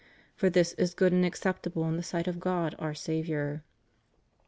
For this is good and acceptable in the sight of God, our Saviour."